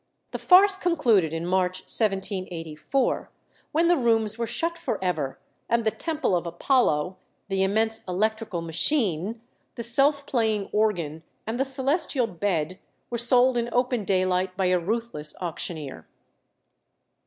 The farce concluded in March 1784, when the rooms were shut for ever, and the temple of Apollo, the immense electrical machine, the self playing organ, and the celestial bed, were sold in open daylight by a ruthless auctioneer.